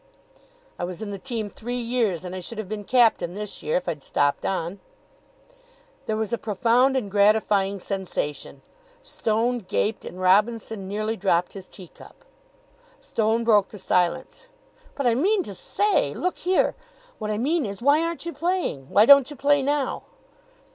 I was in the team three years, and I should have been captain this year, if I'd stopped on." There was a profound and gratifying sensation. Stone gaped, and Robinson nearly dropped his tea cup. Stone broke the silence. "But I mean to say look here! What I mean is, why aren't you playing? Why don't you play now?"